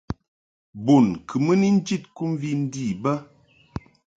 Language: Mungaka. Bun kɨ mɨ ni njid kɨmvi ndi bə.